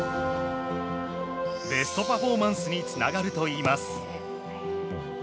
ベストパフォーマンスにつながるといいます。